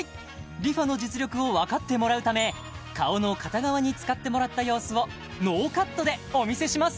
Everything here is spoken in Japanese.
ＲｅＦａの実力を分かってもらうため顔の片側に使ってもらった様子をノーカットでお見せします